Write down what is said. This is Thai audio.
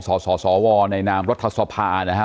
สสสวในนามรัฐศพาหน่า